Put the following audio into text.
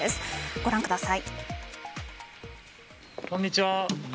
ご覧ください。